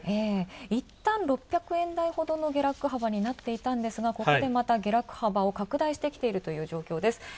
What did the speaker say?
いったん、６００円台ほどの下落幅になっていたんですが、ここでまた下落幅を拡大してきているという状況です。